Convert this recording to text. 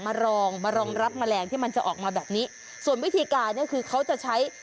รองมารองรับแมลงที่มันจะออกมาแบบนี้ส่วนวิธีการเนี้ยคือเขาจะใช้